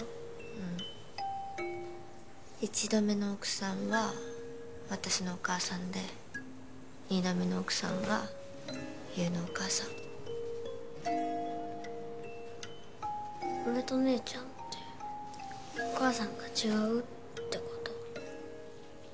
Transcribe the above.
うん一度目の奥さんは私のお母さんで二度目の奥さんは優のお母さん俺と姉ちゃんってお母さんが違うってこと？